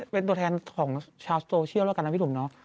เป็นตัวแทนของชาวโซเชียลกันนะพี่ถุ่มน้อง